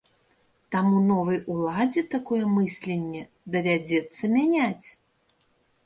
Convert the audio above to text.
Таму новай уладзе такое мысленне давядзецца мяняць.